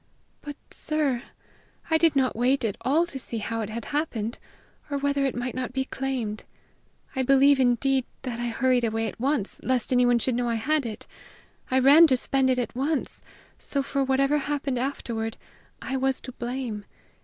"But, sir, I did not wait at all to see how it had happened, or whether it might not be claimed. I believe, indeed, that I hurried away at once, lest anyone should know I had it. I ran to spend it at once, so for whatever happened afterward I was to blame.